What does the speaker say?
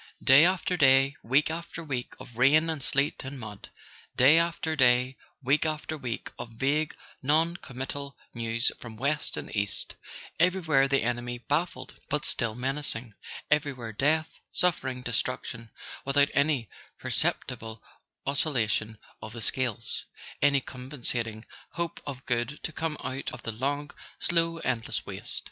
Day after day, week after week, of rain and sleet and mud; day after day, week after week, of vague non committal news from west and east; everywhere the enemy baffled but still menacing, everywhere death, suffering, destruc¬ tion, without any perceptible oscillation of the scales, any compensating hope of good to come out of the long slow endless waste.